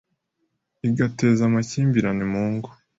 igateza amakimbirane mu ngo